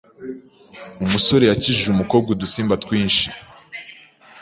Umusore yakijije umukobwa udusimba twinshi.